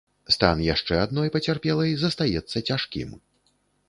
Стан яшчэ адной пацярпелай застаецца цяжкім.